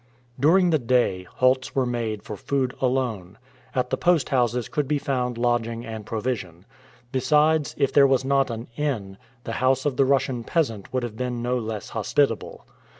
During the day, halts were made for food alone. At the post houses could be found lodging and provision. Besides, if there was not an inn, the house of the Russian peasant would have been no less hospitable.